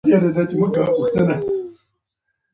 غوغا جوړه نکې چې نور ملکونه خبر نشي.